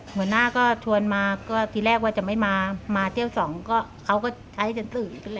หัวหน้าก็ชวนมาก็ทีแรกว่าจะไม่มามาเที่ยวสองก็เขาก็ใช้จนตื่น